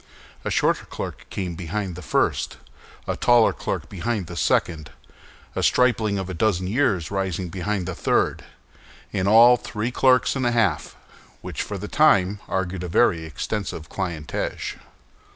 A shorter clerk came behind the first, a taller clerk behind the second, a stripling of a dozen years rising behind the third. In all, three clerks and a half, which, for the time, argued a very extensive clientage.